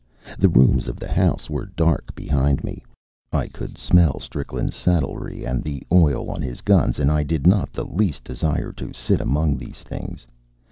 The rooms of the house were dark behind me. I could smell Strickland's saddlery and the oil on his guns, and I did not the least desire to sit among these things.